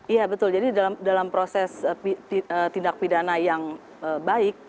iya betul jadi dalam proses tindak pidana yang baik